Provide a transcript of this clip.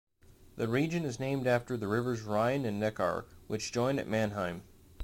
The region is named after the rivers Rhine and Neckar, which join at Mannheim.